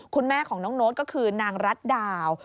คุณแม่ของน้องโน๊ตก็คือนางรัฐดาว